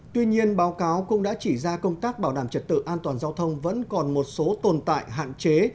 tuy nhiên báo cáo cũng đã chỉ ra công tác bảo đảm trật tự an toàn giao thông vẫn còn một số tồn tại hạn chế